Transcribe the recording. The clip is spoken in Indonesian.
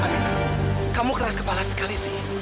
kamu keras kepala sekali sih